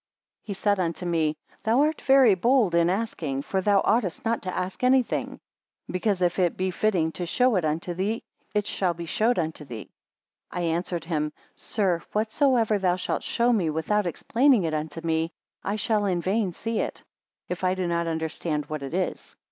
36 He said unto me, Thou art very bold in asking; for thou oughtest not to ask any thing; because if it be fitting to show it unto thee, it shall be showed unto thee. 37 I answered him; Sir, whatsoever thou shalt show me, without explaining it unto me, I shall in vain see it, if I do not understand what it is.